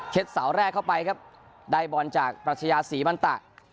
เสาแรกเข้าไปครับได้บอลจากปรัชญาศรีมันตะ